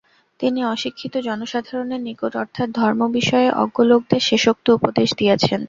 তিনি অশিক্ষিত জনসাধারণের নিকট অর্থাৎ ধর্মবিষয়ে অজ্ঞ লোকদের শেষোক্ত উপদেশ দিয়াছেন।